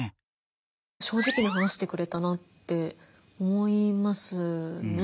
正直に話してくれたなって思いますね。